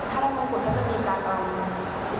ถ้าได้โมงปุ่นก็จะมีการร้อง๑๙คน